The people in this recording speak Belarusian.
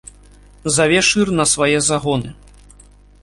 Заве шыр на свае загоны.